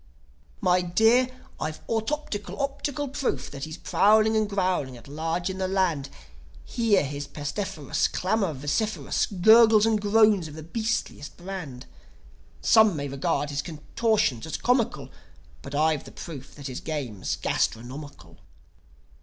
"My dear, I've autoptical, optical proof That he's prowling and growling at large in the land. Hear his pestiferous Clamour vociferous, Gurgles and groans of the beastliest brand. Some may regard his contortions as comical. But I've the proof that his game's gastronomical.